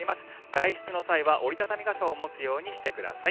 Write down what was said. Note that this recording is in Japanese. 外出の際は折り畳み傘を持つようにしてください。